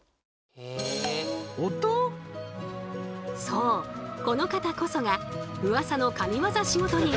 そうこの方こそがうわさの神ワザ仕事人。